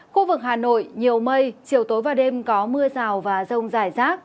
khu vực hà nội nhiều mây chiều tối và đêm có mưa rào và rông rải rác